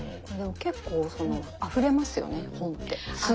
結構あふれますよね本ってすぐ。